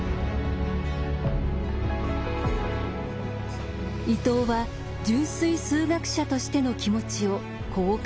伊藤は純粋数学者としての気持ちをこう書きました。